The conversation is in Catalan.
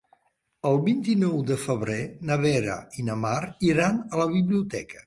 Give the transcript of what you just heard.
El vint-i-nou de febrer na Vera i na Mar iran a la biblioteca.